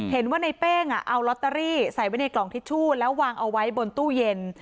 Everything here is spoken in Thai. เห็นว่าในเป้งเอาลอตเตอรี่ใส่ไว้ในกล่องทิชชู่แล้ววางเอาไว้บนตู้เย็น